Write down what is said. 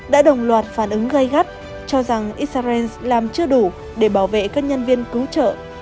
đã đồng loạt phản ứng gây gắt cho rằng israel làm chưa đủ để bảo vệ các nhân viên cứu trợ